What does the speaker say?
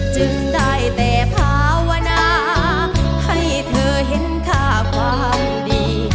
จึงได้แต่ภาวนาให้เธอเห็นค่าความดี